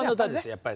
やっぱり。